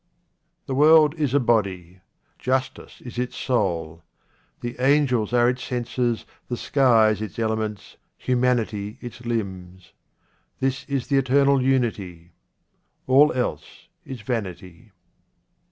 The world is a body. Justice is its soul. The angels are its senses, the skies its elements, humanity its limbs. This is the eternal unity. All else is vanity.